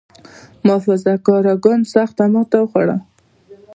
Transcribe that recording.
محافظه کار ګوند سخته ماته وخوړه.